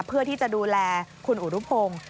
เพื่อที่จะดูแลคุณอุรุพงศ์